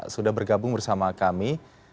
sudah bergabung bersama kami